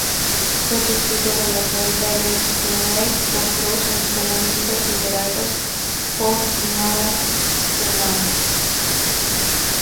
Fue testigo de la caída de Shanghai por los comunistas liderados por Mao Zedong.